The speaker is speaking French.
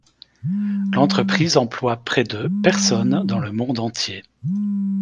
L'entreprise emploie près de personnes dans le monde entier.